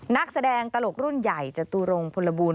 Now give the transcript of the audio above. นักแสดงตลกรุ่นใหญ่จตุรงพลบูล